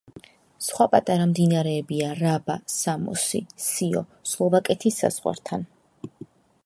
სხვა პატარა მდინარეებია რაბა, სამოსი, სიო სლოვაკეთის საზღვართან.